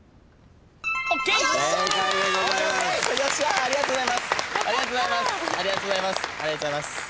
ありがとうございます！